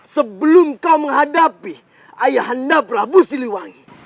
sebelum kau menghadapi ayahanda prabu siribangi